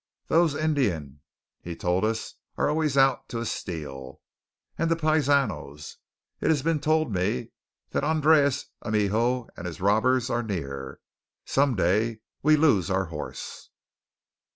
"Thos' Indian," he told us, "are always out to essteal; and the paisanos. It has been tole me that Andreas Amijo and his robbers are near. Some day we loose our horse!"